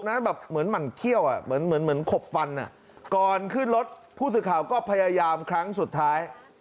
ดุนั่นแบบเหมือนมั่นเครี่ยวอ่ะเหมือนคบฟันนะก่อนขึ้นรถผู้ศึกข่าก็พยายามครั้งสุดท้าย